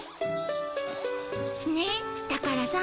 ねだからさ。